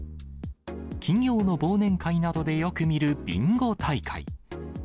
企業の忘年会などでよく見るビンゴ大会。